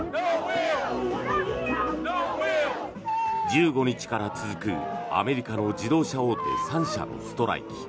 １５日から続く、アメリカの自動車大手３社のストライキ。